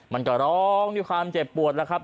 มันก็ร้องที่ความเจ็บปวดละครับ